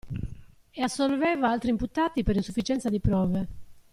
E assolveva altri imputati per insufficienza di prove.